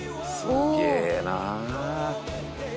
「すげえなあ」